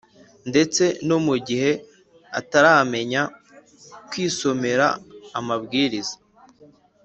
ndetse no mu gihe ataramenya kwisomera amabwiriza.